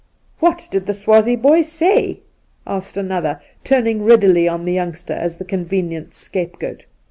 ' What did the Swazie boy say ?' asked another, turning readily on the youngster as the convenient scapegoat.